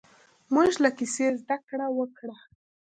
موږ له کیسې زده کړه وکړه.